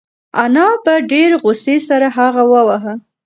انا په ډېرې غوسې سره هغه وواهه.